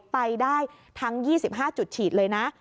ไปได้ทั้ง๒๕จุดฉีดเลยนะ